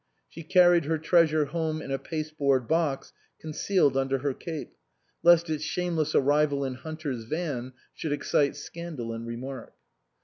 She carried her treasure home in a pasteboard box concealed under her cape ; lest its shameless arrival in Hunter's van should excite scandal and remark.